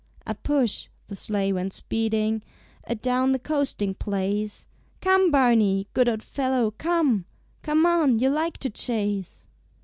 A push the sleigh went speeding Adown the coasting place. "Come, Barney! Good old fellow! Come! Come on! You like to chase."